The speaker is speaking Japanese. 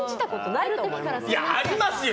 ありますよ！